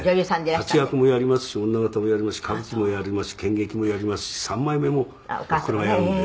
「立役もやりますし女形もやりますし歌舞伎もやりますし剣劇もやりますし三枚目もおふくろはやるんで」